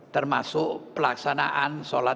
termasuk pelaksanaan sholat